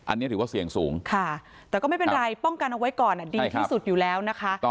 อันนี้ถือว่าเสี่ยงสูงค่ะแต่ก็ไม่เป็นไรป้องกันเอาไว้ก่อนดีที่สุดอยู่แล้วนะคะ